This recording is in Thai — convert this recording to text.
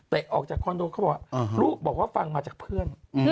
แต่ออกจากคอนโดเขาบอกว่าลูกบอกว่าฟังมาจากเพื่อน